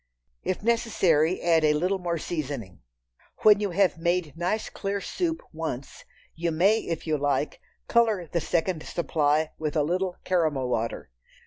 If necessary, add a little more seasoning. When you have made nice clear soup once, you may, if you like, color the second supply with a little "caramel water."